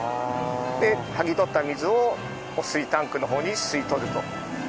で剥ぎ取った水を汚水タンクの方に吸い取るという作業です。